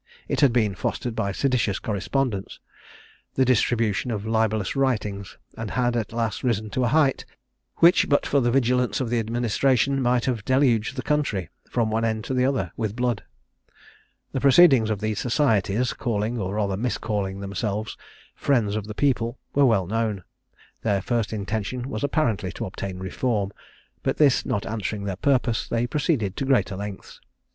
It had been fostered by seditious correspondence, the distribution of libellous writings, and had at last risen to a height, which, but for the vigilance of the administration, might have deluged the country, from one end to the other, with blood. The proceedings of these societies, calling, or rather miscalling, themselves Friends of the People, were well known: their first intention was apparently to obtain reform; but this not answering their purpose, they proceeded to greater lengths.